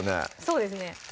そうですね